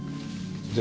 で